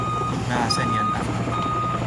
ما عساني أن أفعل؟